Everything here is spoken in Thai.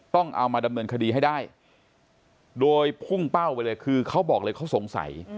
ต้องเอามาดำเนินคดีให้ได้โดยพุ่งเป้าไปเลยคือเขาบอกเลยเขาสงสัย